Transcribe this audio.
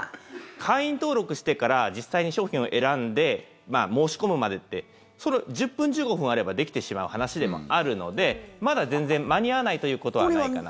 会員登録してから実際に商品を選んで申し込むまでって１０分、１５分あればできてしまう話でもあるのでまだ全然、間に合わないということはないかなと。